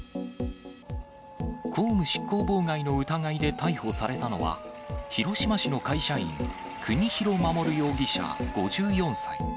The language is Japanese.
公務執行妨害の疑いで逮捕されたのは、広島市の会社員、国広守容疑者５４歳。